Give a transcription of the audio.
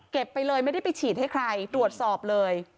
ไปเลยไม่ได้ไปฉีดให้ใครตรวจสอบเลย